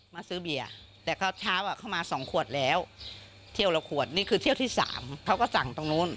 มาซื้อเบียร์แต่เช้าเข้ามาสองขวดแล้วเที่ยวละขวดนี่คือเที่ยวที่๓เขาก็สั่งตรงนู้น